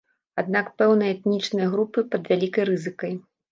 Аднак пэўныя этнічныя групы пад вялікай рызыкай.